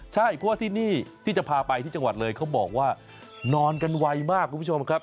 ใช่เพราะว่าที่นี่ที่จะพาไปที่จังหวัดเลยเขาบอกว่านอนกันไวมากคุณผู้ชมครับ